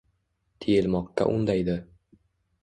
Tiyilmoqqa undaydi.